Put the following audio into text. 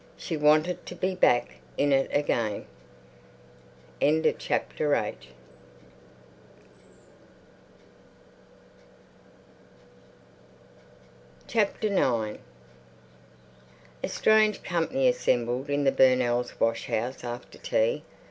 She wanted to be back in it again. IX A strange company assembled in the Burnells' washhouse after tea.